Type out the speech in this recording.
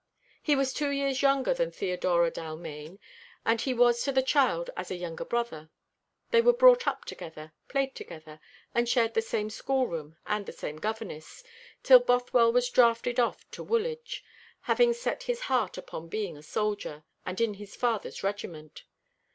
He was two years younger than Theodora Dalmaine, and he was to the child as a younger brother. They were brought up together, played together, and shared the same schoolroom and the same governess, till Bothwell was drafted off to Woolwich, having set his heart upon being a soldier, and in his father's regiment.